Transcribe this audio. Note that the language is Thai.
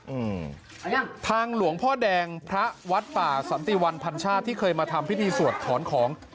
อืมทางหลวงพ่อแดงพระวัดป่าสันติวันพันชาติที่เคยมาทำพิธีสวดถอนของ